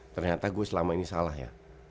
ternyata gue selama ini salah ya